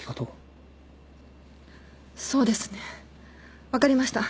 そうですね分かりました。